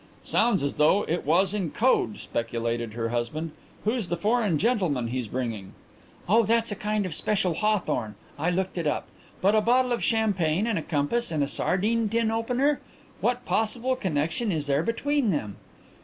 "Sounds as though it was in code," speculated her husband. "Who's the foreign gentleman he's bringing?" "Oh, that's a kind of special hawthorn I looked it up. But a bottle of champagne, and a compass, and a sardine tin opener! What possible connexion is there between them?"